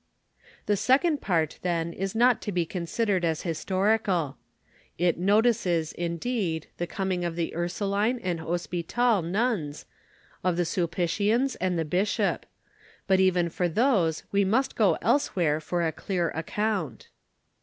The second part then is not to be considered as historical ; it notices, indeed, the coming of the Ursuline and Hospital nuns, of the Sulpitians and the bisliop; but even for these we must go elsewhere for a clear account.